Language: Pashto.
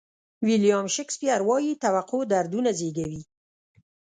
ویلیام شکسپیر وایي توقع دردونه زیږوي.